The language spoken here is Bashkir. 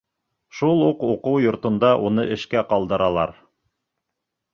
Шул уҡ уҡыу йортонда уны эшкә ҡалдыралар.